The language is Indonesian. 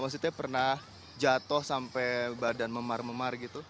maksudnya pernah jatuh sampai badan memar memar gitu